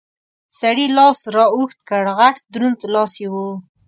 سړي لاس را اوږد کړ، غټ دروند لاس یې و.